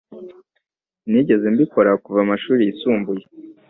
Sinigeze mbikora kuva amashuri yisumbuye.